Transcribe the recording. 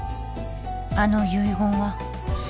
あの遺言は